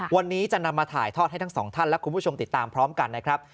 วันนี้จะนำมาถ่ายทอดให้ทั้งสองท่านและคุณผู้ชมติดตามพร้อมกันนะครับ